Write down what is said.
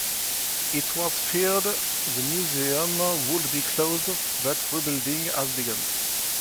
It was feared the museum would be closed but rebuilding has begun.